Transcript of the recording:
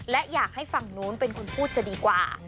และอยากให้ฝั่งนู้นเป็นคนพูดจะดีกว่า